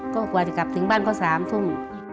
ก็กลัวจะกลับถึงบ้านก็๓ทุ่ม